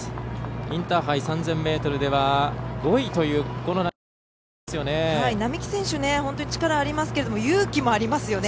インターハイ３０００ｍでは５位という並木も並木選手、本当に力がありますけれども勇気もありますよね。